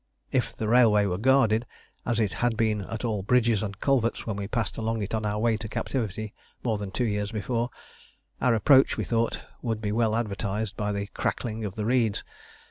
If the railway were guarded, as it had been at all bridges and culverts when we passed along it on our way to captivity more than two years before, our approach, we thought, would be well advertised by the crackling of the reeds.